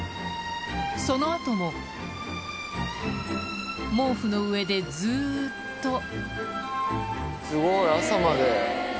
その後も毛布の上でずっとすごい朝まで。